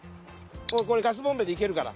れガスボンベでいけるから。